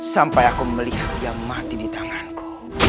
sampai aku melihat dia mati di tanganku